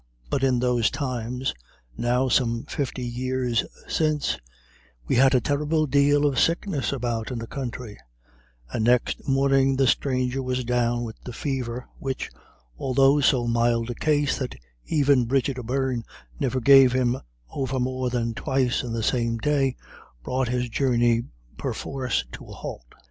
But in those times, now some fifty years since, we had "a terrible dale of sickness about in the country," and next morning the stranger was down with the fever, which, although so mild a case that even Bridget O'Beirne never gave him over more than twice in the same day, brought his journey perforce to a halt.